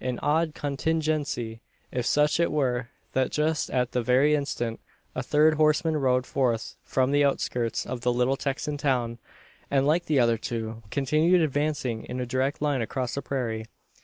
An odd contingency if such it were that just at that very instant a third horseman rode forth from the outskirts of the little Texan town, and, like the other two, continued advancing in a direct line across the prairie.